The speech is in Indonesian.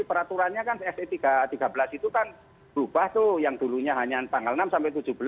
peraturannya kan se tiga ratus tiga belas itu kan berubah tuh yang dulunya hanya tanggal enam sampai tujuh belas